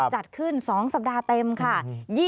จัดขึ้น๒สัปดาห์เต็มค่ะ